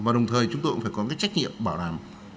và đồng thời chúng tôi cũng phải có cái trách nhiệm bảo đảm